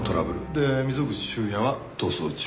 で溝口修也は逃走中。